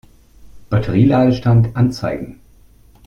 Batterie-Ladestand anzeigen.